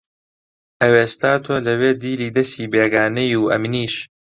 ئەوێستا تۆ لەوێ دیلی دەسی بێگانەی و ئەمنیش